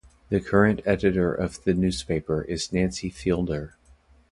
The current editor of the newspaper is Nancy Fielder.